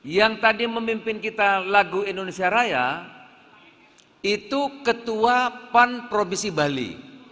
yang tadi memimpin kita lagu indonesia raya itu ketua pan provinsi bali